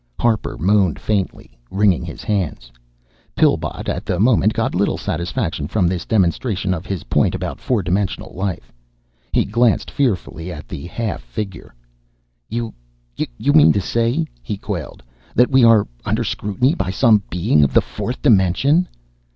Harper moaned faintly, wringing his hands. Pillbot at the moment got little satisfaction from this demonstration of his point about four dimensional life. He glanced fearfully at the half figure. "You you mean to say," he quailed, "that we are under scrutiny by some Being of the fourth dimension?"